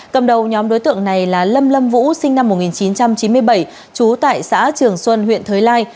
cầm đầu nhóm đối tượng này là lâm lâm vũ sinh năm một nghìn chín trăm chín mươi bảy trú tại xã trường xuân huyện thới lai